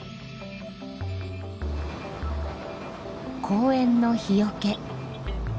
公園の日よけ。